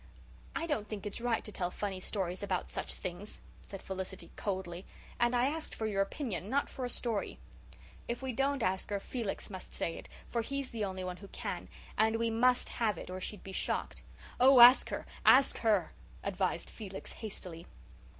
"I don't think it's right to tell funny stories about such things," said Felicity coldly. "And I asked for your opinion, not for a story." "If we don't ask her, Felix must say it, for he's the only one who can, and we must have it, or she'd be shocked." "Oh, ask her ask her," advised Felix hastily.